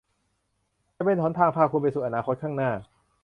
จะเป็นหนทางพาคุณไปสู่อนาคตข้างหน้า